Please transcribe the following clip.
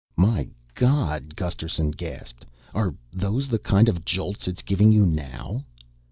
'" "My God," Gusterson gasped, "are those the kind of jolts it's giving you now?"